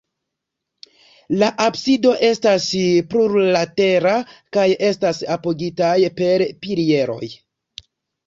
La absido estas plurlatera kaj estas apogitaj per pilieroj.